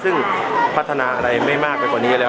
ซึ่งผมพัฒนาเรียกไม่มากกว่านี้แล้ว